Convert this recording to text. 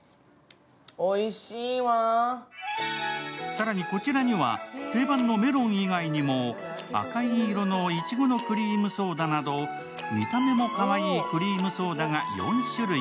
更にこちらには定番のメロン以外にも赤い色のいちごのクリームソーダなど見た目もかわいいクリームソーダが４種類。